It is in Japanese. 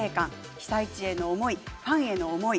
被災地への思いとファンへの思い